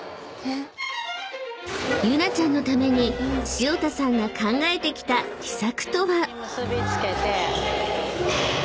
［ユナちゃんのために潮田さんが考えてきた秘策とは？］